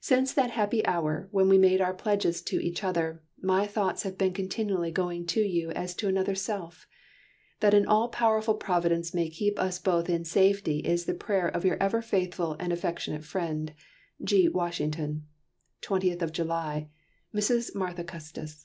"Since that happy hour, when we made our pledges to each other, my thoughts have been continually going to you as to another self. That an All powerful Providence may keep us both in safety is the prayer of your ever faithful and affectionate Friend, "G. WASHINGTON "20th of July Mrs. Martha Custis."